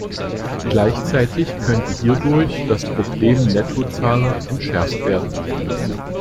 Gleichzeitig könnte hierdurch das Problem Nettozahler entschärft werden.